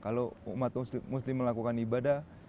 kalau umat mesti melakukan ibadah